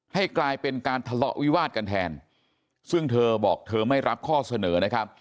ให้กลายเป็นการทะเลาะวิวาดกันแทนซึ่งเธอบอกเธอไม่รับข้อเสนอนะครับ